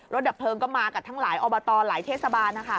ดับเพลิงก็มากับทั้งหลายอบตหลายเทศบาลนะคะ